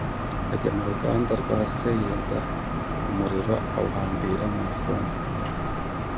Ajya mu ruganda rwa se yenda umuriro, awuhambira mu ifumba,